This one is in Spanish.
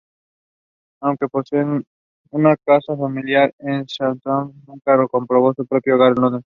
Aunque poseía una casa familiar en Southampton, nunca compró su propio hogar en Londres.